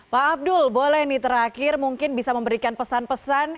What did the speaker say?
pak abdul boleh nih terakhir mungkin bisa memberikan pesan pesan